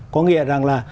có nghĩa rằng là